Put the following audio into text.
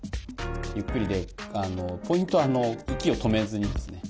ゆっくりでポイントは息を止めずにですね